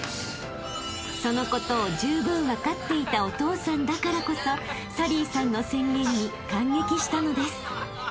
［そのことをじゅうぶん分かっていたお父さんだからこそ紗鈴依さんの宣言に感激したのです］